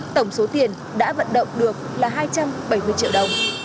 tổng số tiền đã vận động được là hai trăm bảy mươi triệu đồng